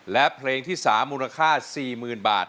และเพลงที่๓มูลค่า๔๐๐๐บาท